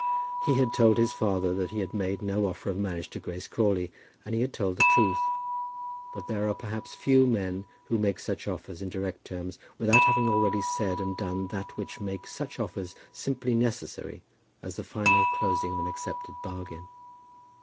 He had told his father that he had made no offer of marriage to Grace Crawley, and he had told the truth. But there are perhaps few men who make such offers in direct terms without having already said and done that which make such offers simply necessary as the final closing of an accepted bargain.